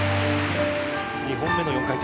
２本目の４回転。